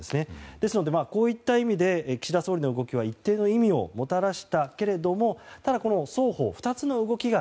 ですから、こういった意味で岸田総理の動きは一定の意味をもたらしたけれどもただ、双方、２つの動きが